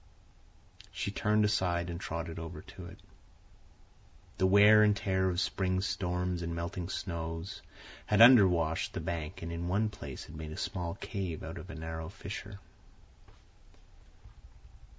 She turned aside and trotted over to it. The wear and tear of spring storms and melting snows had underwashed the bank and in one place had made a small cave out of a narrow fissure.